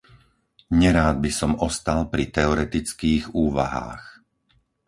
Nerád by som ostal pri teoretických úvahách.